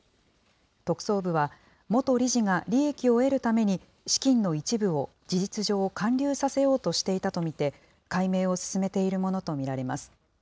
特捜部は、元理事が利益を得るために資金の一部を事実上、還流させようとしていたと見て、解明を進めているものと見られます。